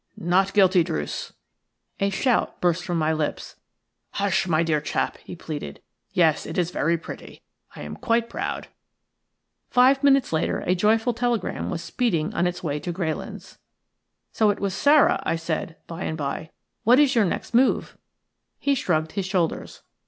Not guilty, Druce." A shout burst from my lips. "Hush, my dear chap!" he pleaded. "Yes, it is very pretty. I am quite proud." Five minutes later a joyful telegram was speeding on its way to Greylands. "So it was Sara," I said, by and by. "What is your next move?" He shrugged his shoulders.